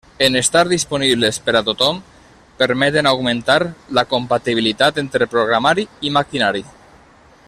En estar disponibles per a tothom permeten augmentar la compatibilitat entre programari i maquinari.